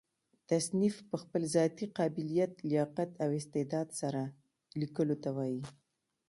تصنیف په خپل ذاتي قابلیت، لیاقت او استعداد سره؛ ليکلو ته وايي.